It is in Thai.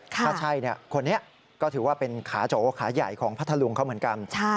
ถ้าใช่คนนี้ก็ถือว่าเป็นขาโจขาใหญ่ของพัทธลุงเขาเหมือนกัน